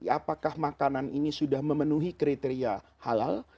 apakah makanan ini sudah memenuhi kriteria halal